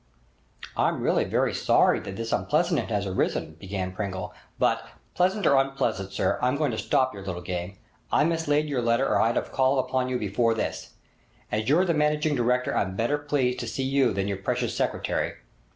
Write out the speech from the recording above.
'I'm really very sorry that this unpleasantness has arisen,' began Pringle, 'but——' 'Pleasant or unpleasant, sir, I'm going to stop your little game! I mislaid your letter or I'd have called upon you before this. As you're the managing director I'm better pleased to see you than your precious secretary.